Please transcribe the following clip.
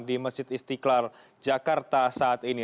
di masjid istiqlal jakarta saat ini